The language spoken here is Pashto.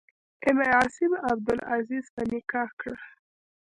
ام عاصم عبدالعزیز په نکاح کړه.